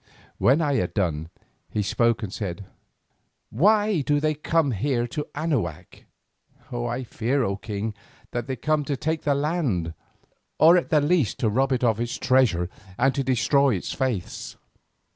When I had done, he spoke and said: "Why do they come here to Anahuac?" "I fear, O king, that they come to take the land, or at the least to rob it of all its treasure, and to destroy its faiths."